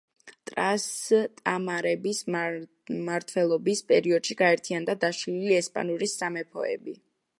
ტრასტამარების მმართველობის პერიოდში გაერთიანდა დაშლილი ესპანური სამეფოები.